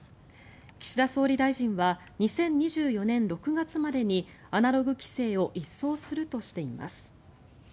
岸田総理大臣は２０２４年６月までにアナログ規制を一掃するとしています。